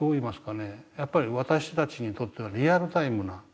やっぱり私たちにとってはリアルタイムな。